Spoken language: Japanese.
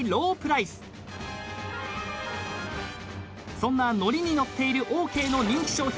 ［そんなノリに乗っているオーケーの人気商品